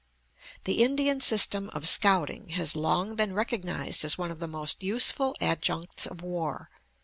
The Indian system of scouting has long been recognized as one of the most useful adjuncts of war.